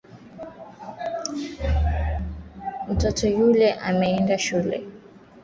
iliyopanuliwa ya Jumuiya ya Afrika Mashariki kufuatia